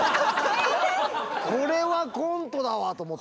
「これはコントだわ」と思って。